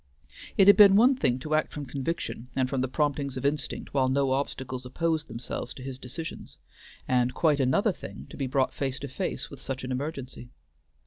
It had been one thing to act from conviction and from the promptings of instinct while no obstacles opposed themselves to his decisions, and quite another thing to be brought face to face with such an emergency.